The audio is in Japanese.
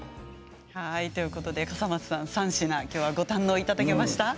笠松さん３品、ご堪能いただけましたか。